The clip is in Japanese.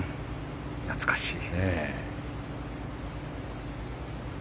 懐かしい。